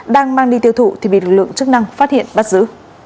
đang mang đi tiêu thụ thì bị lực lượng chức năng phát hiện bắt giữ